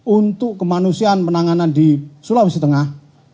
untuk kemanusiaan penanganan di sulawesi tengah